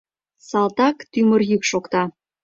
Салтак тӱмыр йӱк шокта.